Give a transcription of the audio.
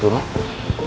aku pernah turun